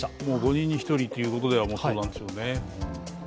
５人に１人ということはそうなんでしょうね。